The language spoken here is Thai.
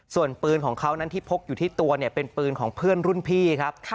ส่วนปืนของเขานั้นที่พกอยู่ที่ตัวเนี่ยเป็นปืนของเพื่อนรุ่นพี่ครับ